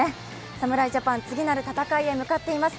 侍ジャパン次なる戦いへ向かっています。